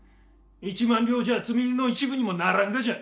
１万両じゃ積み荷の一部にもならんがじゃ！